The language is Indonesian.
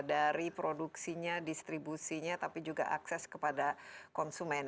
dari produksinya distribusinya tapi juga akses kepada konsumen